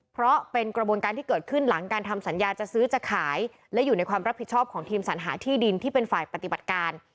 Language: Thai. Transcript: เพราะเป็นกระบวนการที่เกิดขึ้นหลังการทำสัญญาจะซื้อจะขายและอยู่ในความรับผิดชอบของทีมสัญหาที่ดินที่เป็นฝ่ายปฏิบัติการ